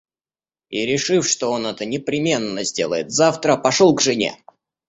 И, решив, что он это непременно сделает завтра, пошел к жене.